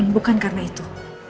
bukan karena itu